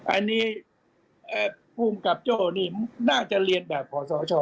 อันนี้ภูมิกับโจ้นี่น่าจะเรียนแบบขอสช